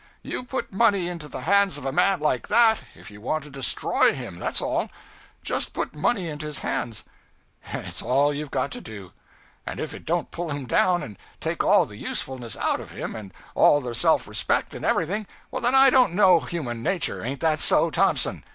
You put money into the hands of a man like that, if you want to destroy him, that's all; just put money into his hands, it's all you've got to do; and if it don't pull him down, and take all the usefulness out of him, and all the self respect and everything, then I don't know human nature ain't that so, Thompson?